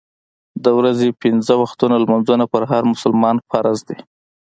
د ورځې پنځه وخته لمونځونه پر هر مسلمان فرض دي.